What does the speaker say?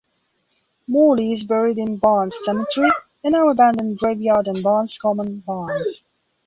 Morley is buried in Barnes Cemetery, a now abandoned graveyard on Barnes Common, Barnes.